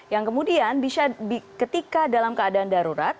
yang kemudian bisa ketika dalam keadaan darurat